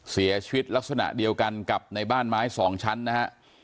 เสียชีวิตลักษณะเดียวกันกับในบ้านไม้สองชั้นนะฮะ